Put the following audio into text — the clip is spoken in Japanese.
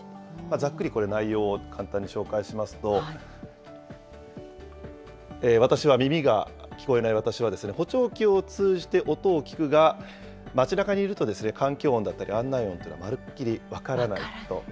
ざっくりこれ、内容を簡単に紹介しますと、私は、耳が聞こえない私は補聴器を通じて音を聞くが、街なかにいると環境音だったり案内音というのはまるっきり分からないと。